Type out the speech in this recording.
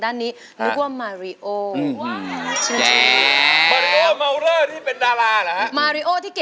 แต่เวลาขึ้นเวที